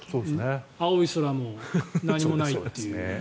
青い空も何もないという。